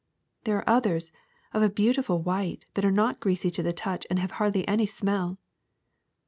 ''^' There are others, of a beautiful white, that are not greasy to the touch and have hardly any smell.